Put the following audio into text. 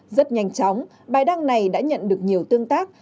rất nhanh chóng bài đăng này đã nhận được nhiều tương tác